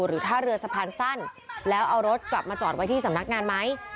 ท่าเรือสะพานสั้นแล้วเอารถกลับมาจอดไว้ที่สำนักงานไหม